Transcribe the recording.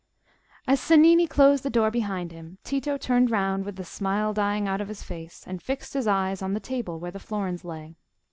As Cennini closed the door behind him, Tito turned round with the smile dying out of his face, and fixed his eyes on the table where the florins lay.